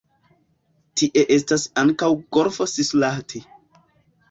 Tie estas ankaŭ golfo Sisuslahti.